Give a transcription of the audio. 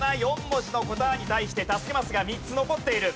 ４文字の答えに対して助けマスが３つ残っている。